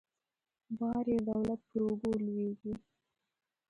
بار یې د دولت پر اوږو لویږي.